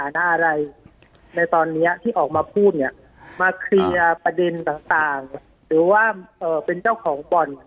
หรือว่าเอ่อเป็นเจ้าของ